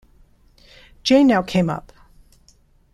Jane now came up.